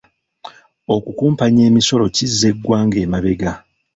Okukumpanya emisolo kizza eggwanga emabega.